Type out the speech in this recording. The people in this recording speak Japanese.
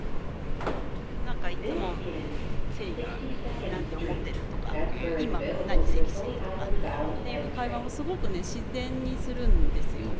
何かいつも「セリが何て思ってる」とか「今何セリしてる」とかっていう会話をすごくね自然にするんですよ。